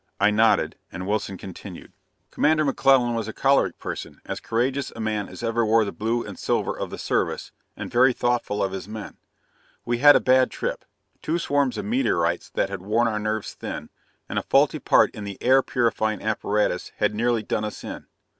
I nodded, and Wilson continued. "Commander McClellan was a choleric person, as courageous a man as ever wore the blue and silver of the Service, and very thoughtful of his men. We had had a bad trip; two swarms of meteorites that had worn our nerves thin, and a faulty part in the air purifying apparatus had nearly done us in.